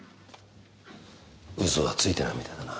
嘘はついてないみたいだな。